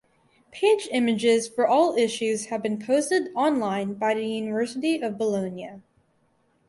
Page images for all issues have been posted online by the University of Bologna.